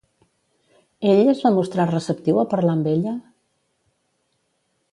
Ell es va mostrar receptiu a parlar amb ella?